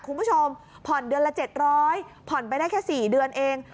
คุณผู้ชมผ่อนเดือนละเจ็ดร้อยผ่อนไปได้แค่สี่เดือนเอง